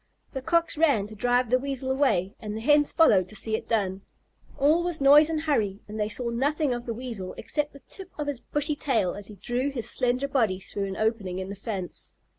The Cocks ran to drive the Weasel away, and the Hens followed to see it done. All was noise and hurry, and they saw nothing of the Weasel except the tip of his bushy tail as he drew his slender body through an opening in the fence.